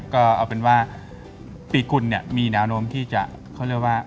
ก็เอาเป็นว่าปีกุลเนี่ยมีแนวโน้มที่จะเขาเรียกว่า